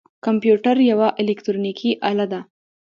کمپیوټر یوه الکترونیکی آله ده